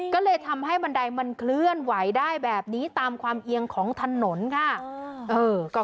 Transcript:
ก็เลยทำให้บันไดมันเคลื่อนไหวได้แบบนี้ตามความเอียงของถนนค่ะ